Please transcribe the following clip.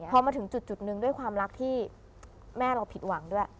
พอมาถึงจุดหนึ่งด้วยความรักที่แม่เราผิดหวังด้วย